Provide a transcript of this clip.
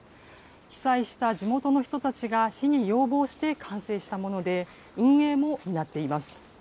被災した地元の人たちが市に要望して完成したもので、運営も担っています。